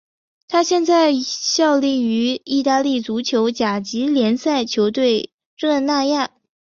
他现在效力于意大利足球甲级联赛球队热那亚。